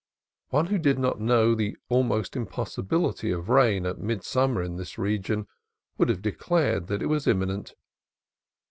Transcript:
One who did not know the almost impossibility of rain at midsummer in this region would have de clared that it was imminent.